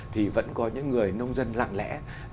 thì vẫn có những người nông dân lặng lẽ